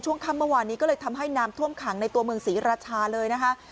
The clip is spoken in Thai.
ช่วงค่ำเมื่อวานนี้ก็เลยทำให้น้ำท่วมขังในตัวเมืองศรีราชาเลยนะคะ